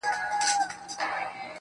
یا یې لمر ته کېښوده چې مړاوې شي